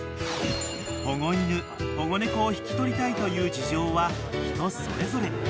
［保護犬保護猫を引き取りたいという事情は人それぞれ］